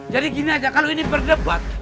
jadi gini aja kalau ini berdebat